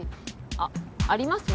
あっあります？